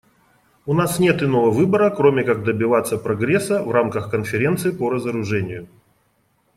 У нас нет иного выбора, кроме как добиваться прогресса в рамках Конференции по разоружению.